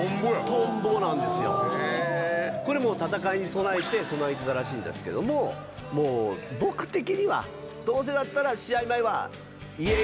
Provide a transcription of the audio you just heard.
『とんぼ』なんですよ、これも戦いに備えていたらしいんですけれども、僕的にはどうせだったら試合前は。